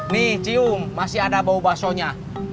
nih cium masih ada bau basonya